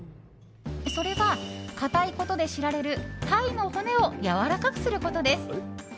それは硬いことで知られる鯛の骨をやわらかくすることです。